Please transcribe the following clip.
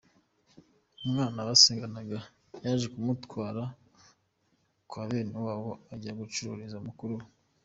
Umwana basenganaga yaje kumutwara kwa bene wabo, ajya gucururiza mukuru we.